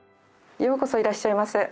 ようこそいらっしゃいませ。